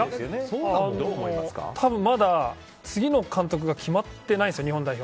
まだ次の監督が決まってないんですよ、日本代表。